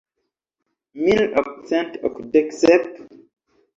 Mil okcent okdek sep?